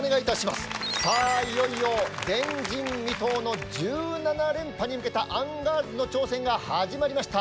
さあいよいよ前人未到の１７連覇に向けたアンガールズの挑戦が始まりました。